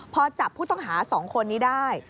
พอจับผู้ต้องหา๒คนนี้ได้